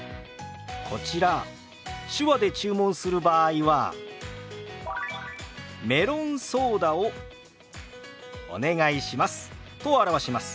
こちら手話で注文する場合は「メロンソーダをお願いします」と表します。